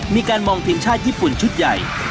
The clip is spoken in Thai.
มีการมองทีมชาติญี่ปุ่นชุดใหญ่